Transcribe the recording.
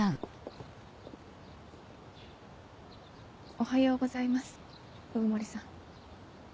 おはようございます鵜久森さん。